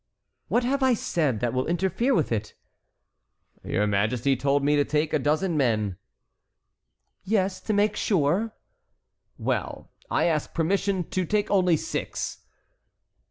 "What have I said that will interfere with it?" "Your majesty told me to take a dozen men." "Yes, to make sure"— "Well, I ask permission to take only six."